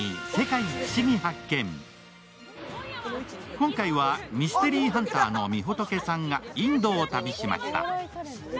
今回は、ミステリーハンターのみほとけさんがインドを旅しました。